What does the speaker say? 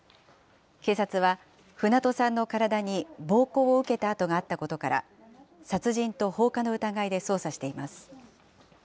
警察は、船戸さんの体に暴行を受けた痕があったことから、殺人と放火の疑いで捜査しています。